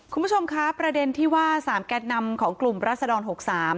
คุณผู้ชมครับประเด็นที่ว่าสามแก๊ดนำของกลุ่มรัสดร๖๓